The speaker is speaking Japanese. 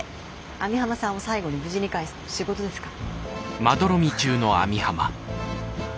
網浜さんを最後に無事に帰すのも仕事ですから。